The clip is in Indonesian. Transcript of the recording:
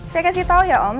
saya kasih tau ya om